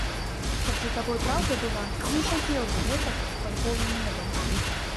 Каб за табой праўда была, то не сядзеў бы гэтак пад голым небам.